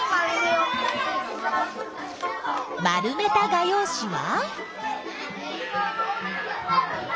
丸めた画用紙は？